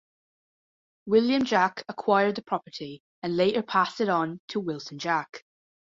William Jack acquired the property and later passed it on to Wilson Jack.